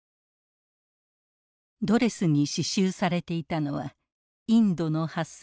ドレスに刺しゅうされていたのはインドの蓮